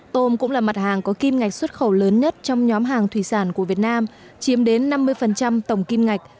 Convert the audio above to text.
tôm cũng là mặt hàng có kim ngạch xuất khẩu lớn nhất trong nhóm hàng thủy sản của việt nam chiếm đến năm mươi tổng kim ngạch